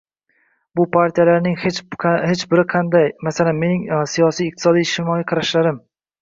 Bu partiyalarning hech biri, masalan, mening siyosiy, iqtisodiy, ijtimoiy qarashlarimni va qadriyatlarimni aks ettirmaydi